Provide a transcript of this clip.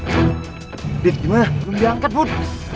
adit gimana belum diangkat bud